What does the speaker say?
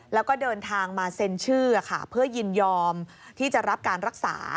แล้วก็เดินทางมาเซ็นชื่อค่ะเพื่อยินยอมที่จะรับการรักษา